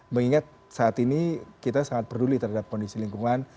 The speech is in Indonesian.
mengingat saat ini kita sangat peduli terhadap kondisi lingkungan